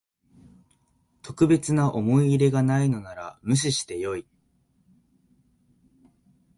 特別な思い入れがないのなら無視してよい